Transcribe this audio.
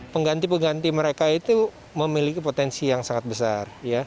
pengganti pengganti mereka itu memiliki potensi yang sangat besar